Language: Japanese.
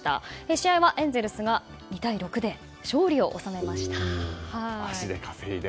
試合はエンゼルスが２対６で勝利を収めました。